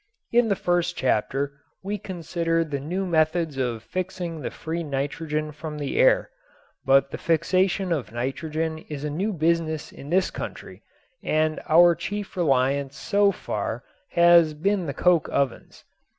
In the first chapter we considered the new methods of fixing the free nitrogen from the air. But the fixation of nitrogen is a new business in this country and our chief reliance so far has been the coke ovens.